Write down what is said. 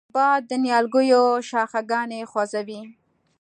باد د نیالګیو شاخهګان خوځوي